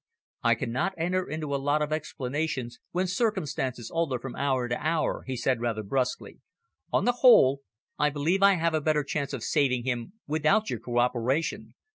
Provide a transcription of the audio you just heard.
"I cannot enter into a lot of explanations, when circumstances alter from hour to hour," he said rather brusquely. "On the whole, I believe I have a better chance of saving him without your co operation.